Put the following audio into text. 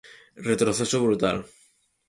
Retroceso brutal.